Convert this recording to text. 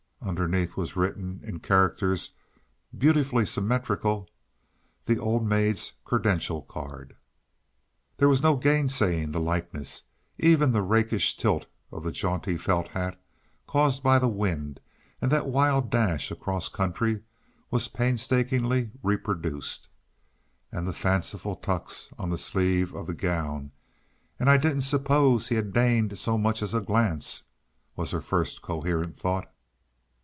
Underneath was written in characters beautifully symmetrical: "The old maid's credential card." There was no gainsaying the likeness; even the rakish tilt of the jaunty felt hat, caused by the wind and that wild dash across country, was painstakingly reproduced. And the fanciful tucks on the sleeve of the gown "and I didn't suppose he had deigned so much as a glance!" was her first coherent thought.